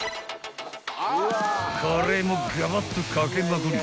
［カレーもガバッと掛けまくり］